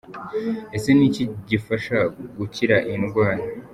Ese ni iki gifasha gukira iyi ndwara?.